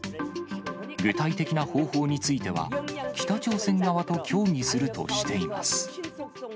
具体的な方法については、北朝鮮側と協議するとしています。